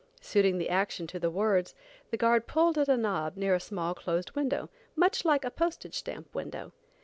Suiting the action to the words, the guard pulled at a knob near a small closed window, much like a postage stamp window.